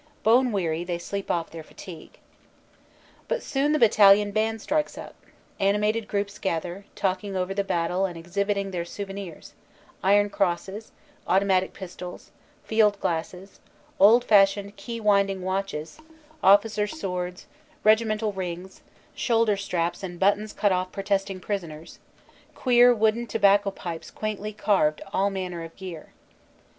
Bone weary, they sleep off their fatigue. But soon the battalion band strikes up; animated groups gather, talking over the battle and exhibiting their souvenirs iron crosses, automatic pistols, field glasses, old fashioned key winding watches, officers swords, regimental rings, shoulder straps and buttons cut off protesting prisoners, queer wooden tobacco pipes quaintly carved all manner of gear.